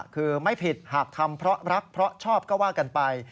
คือไม่ผิดหากทำเพราะรักเพราะชอบก็ว่ากันไป